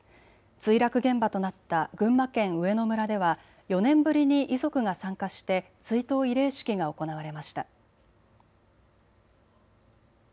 墜落現場となった群馬県上野村では４年ぶりに遺族が参加して追悼慰霊式が行われました。